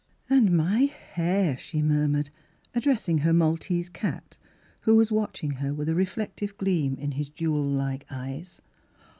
" And my hair !" she murmured, ad dressing her maltese cat, who was watch ing her with a reflective gleam in his jewel like eyes.